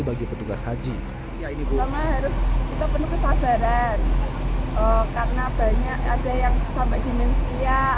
bagi petugas haji ya ini pertama harus kita penuh kesabaran karena banyak ada yang sampai dimensia